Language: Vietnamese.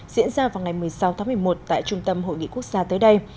diễn ra vào ngày một mươi sáu tháng một mươi một tại trung tâm hội nghị quốc gia tới đây